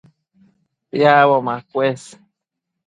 Piacbo macuës